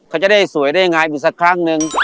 เขาจะได้สวยได้งามอีกสักครั้งนึง